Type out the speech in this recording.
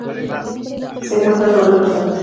Se encuentra sólo en Costa Rica.